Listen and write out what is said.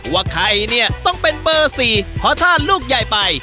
ว่าใครเนี่ยต้องเป็นเบอร์๔เพราะถ้าลูกใหญ่ไป